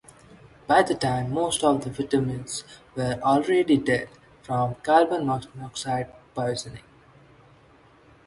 By that time, most of the victims were already dead from carbon monoxide poisoning.